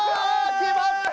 決まった！